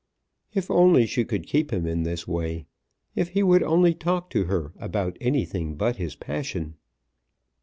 If only she could keep him in this way! If he would only talk to her about anything but his passion!